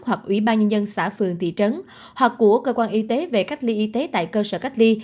hoặc ủy ban nhân dân xã phường thị trấn hoặc của cơ quan y tế về cách ly y tế tại cơ sở cách ly